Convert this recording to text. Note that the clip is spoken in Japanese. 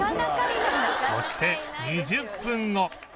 そして２０分後